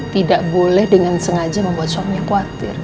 tidak boleh dengan sengaja membuat suaminya khawatir